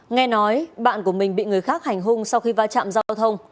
nghe nói bạn của mình bị người khác hành hung sau khi va chạm giao thông